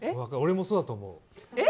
俺もそうだと思う。